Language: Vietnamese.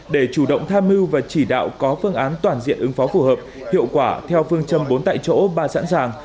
để chủ động tham mưu và chỉ đạo có phương án toàn diện ứng phó phù hợp hiệu quả theo phương châm bốn tại chỗ ba sẵn sàng